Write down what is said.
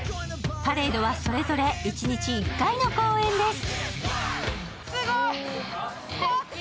パレードはそれぞれ一日１回の公演です。